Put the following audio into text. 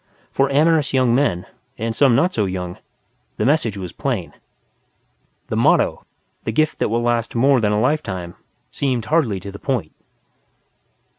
For amorous young men, and some not so young, the message was plain. The motto, "The Gift That Will Last More Than a Lifetime", seemed hardly to the point.